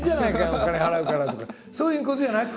お金払うから！とかそういうことじゃなく？